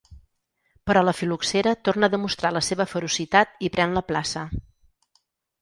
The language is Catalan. Però la fil·loxera torna a demostrar la seva ferocitat i pren la plaça.